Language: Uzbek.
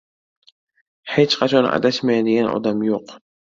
• Hech qachon adashmaydigan odam yo‘q.